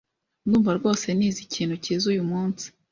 Ndumva rwose nize ikintu cyiza uyumunsi.